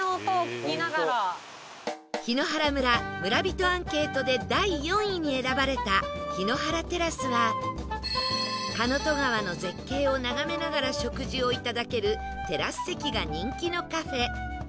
檜原村村人アンケートで第４位に選ばれたヒノハラテラスは神戸川の絶景を眺めながら食事をいただけるテラス席が人気のカフェ